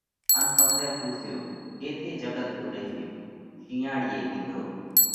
ان پسئہ پُونسيو: ڪيٿئہ جڳ ٻُوڏئه ريو؟ شِينئاۯِيئہ ڪِيڌو: